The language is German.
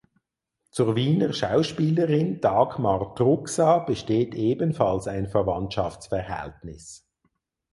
Zur Wiener Schauspielerin Dagmar Truxa besteht ebenfalls ein Verwandtschaftsverhältnis.